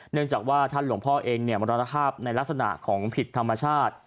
เนื่องจากว่าท่านหลวงพ่อเองมรณภาพในลักษณะของผิดธรรมชาติ